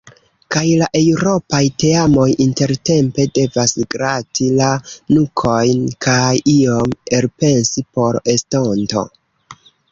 Kaj la eŭropaj teamoj intertempe devas grati la nukojn kaj ion elpensi por estonto.